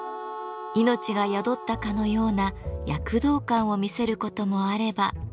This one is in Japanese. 命が宿ったかのような躍動感を見せることもあれば。